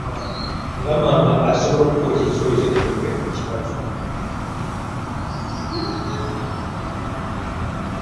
Nga maama ayinza okukwokya ekitole ky'ettooke mu kibatu.